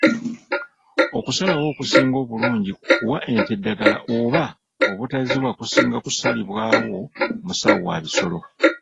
Okusalawo okusinga obulungi ku kuwa ente eddagala oba obutaziwa kusinga kusalibwawo musawo wa bisolo.